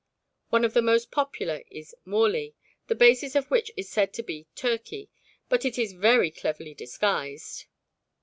One of the most popular is morli, the basis of which is said to be turkey, but it is very cleverly disguised.